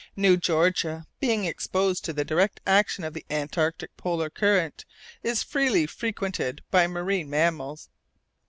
New Georgia, being exposed to the direct action of the Antarctic polar current, is freely frequented by marine mammals.